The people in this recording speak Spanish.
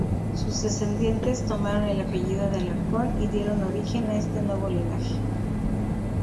Sus descendientes tomaron el apellido de Alarcón y dieron origen a este nuevo linaje.